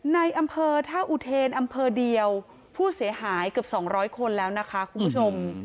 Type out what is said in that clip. ในอำเภอท่าอุเทนอำเภอเดียวผู้เสียหายเกือบ๒๐๐คนแล้วนะคะคุณผู้ชม